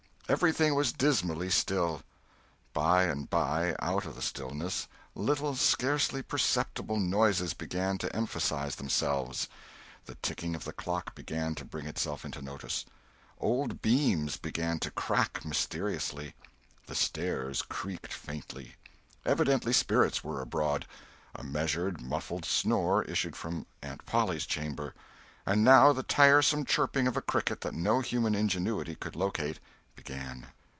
Everything was dismally still. By and by, out of the stillness, little, scarcely perceptible noises began to emphasize themselves. The ticking of the clock began to bring itself into notice. Old beams began to crack mysteriously. The stairs creaked faintly. Evidently spirits were abroad. A measured, muffled snore issued from Aunt Polly's chamber. And now the tiresome chirping of a cricket that no human ingenuity could locate, began.